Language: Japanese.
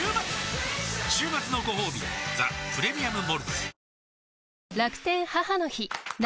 週末のごほうび「ザ・プレミアム・モルツ」